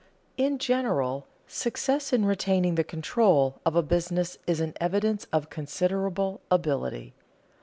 In general, success in retaining the control of a business is an evidence of considerable ability.